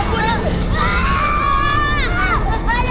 bodo amat itu bukannya